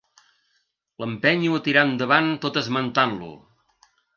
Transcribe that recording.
L'empenyo a tirar endavant tot esmentant-lo.